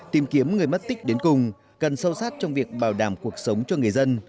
tìm kiếm người mất tích đến cùng cần sâu sát trong việc bảo đảm cuộc sống cho người dân